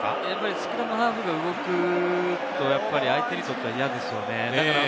スクラムハーフが動くと、相手にとっては嫌ですよね？